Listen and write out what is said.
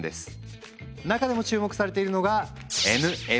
中でも注目されているのがＮＭＮ。